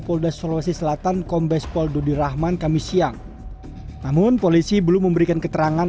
polda sulawesi selatan kombes poldo dirahman kami siang namun polisi belum memberikan keterangan